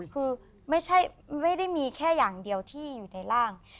คือไม่ได้มีแค่อย่างเดียวที่อยู่ในร่าง